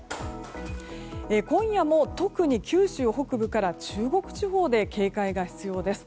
今夜も特に九州北部から中国地方に警戒が必要です。